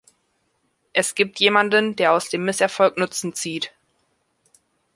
Es gibt jemanden, der aus dem Misserfolg Nutzen zieht.